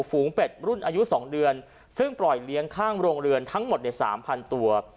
ฝูงเป็ดรุ่นอายุ๒เดือนซึ่งปล่อยเลี้ยงข้างโรงเรือนทั้งหมดใน๓๐๐ตัว